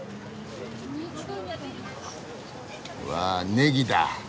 わあネギだ！